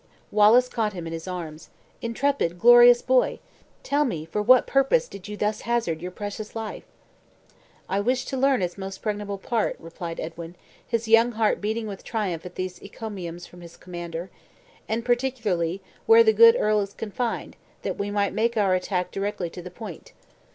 Wallace caught him in his arms. "Intrepid, glorious boy! tell me for what purpose did you thus hazard your precious life?" "I wished to learn its most pregnable part," replied Edwin, his young heart beating with triumph at these encomiums from his commander; "and particularly where the good earl is confined, that we might make our attack directly to the point."